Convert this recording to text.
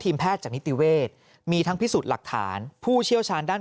แพทย์จากนิติเวศมีทั้งพิสูจน์หลักฐานผู้เชี่ยวชาญด้าน